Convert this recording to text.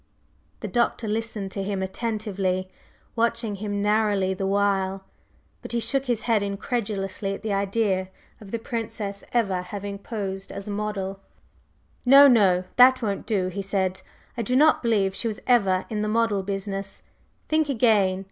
The Doctor listened to him attentively, watching him narrowly the while. But he shook his head incredulously at the idea of the Princess ever having posed as a model. "No, no, that won't do!" he said. "I do not believe she was ever in the model business. Think again.